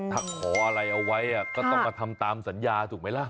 ถ้าขออะไรเอาไว้ก็ต้องมาทำตามสัญญาถูกไหมล่ะ